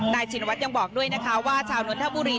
นายชินวัดยังบอกด้วยนะคะว่าชานวนทบุรี